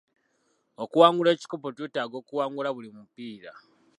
Okuwangula ekikopo twetaaga okuwangula buli mupiira.